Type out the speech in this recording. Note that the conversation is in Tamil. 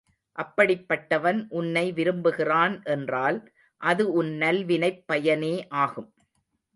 அப்படிப்பட்டவன் உன்னை விரும்புகிறான் என்றால் அது உன் நல்வினைப் பயனே ஆகும்.